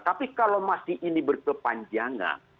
tapi kalau masih ini berkepanjangan